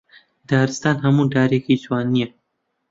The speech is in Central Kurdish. دارستان هەموو دارێکی جوان نییە